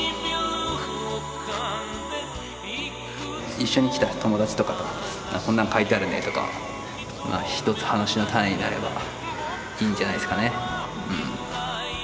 一緒に来た友達とかとこんなん書いてあるねとかひとつ話の種になればいいんじゃないですかね。